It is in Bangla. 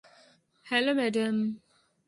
Hello, Adam.